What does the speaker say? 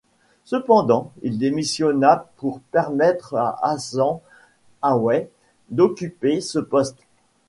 Cependant, il démissionna pour permettre à Hasan Aweys d'occuper ce poste.